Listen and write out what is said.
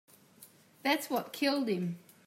That's what killed him.